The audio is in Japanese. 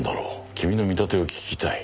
君の見立てを聞きたい。